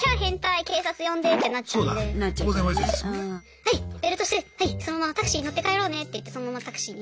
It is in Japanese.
はいベルトしてはいそのままタクシー乗って帰ろうねって言ってそのままタクシーに。